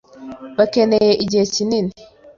Bakeneye igihe kinini.